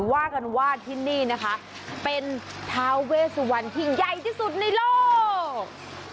ว่ากันว่าที่นี่นะคะเป็นทาเวสุวรรณที่ใหญ่ที่สุดในโลก